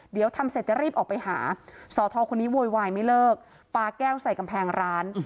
เดี๋ยวทำเสร็จจะรีบออกไปหาสอทอคนนี้โวยวายไม่เลิกปลาแก้วใส่กำแพงร้าน